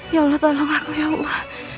ya allah tolong aku ya allah